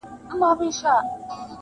• چي په خیال کي میکدې او خُمان وینم..